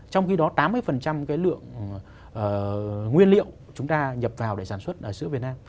trong khi đó tám mươi cái lượng nguyên liệu chúng ta nhập vào để sản xuất ở sữa việt nam